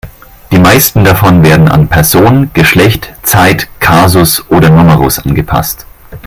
Die meisten davon werden an Person, Geschlecht, Zeit, Kasus oder Numerus angepasst.